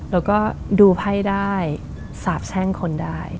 แล้วก็ดูไพ่ได้สาบแช่งคนได้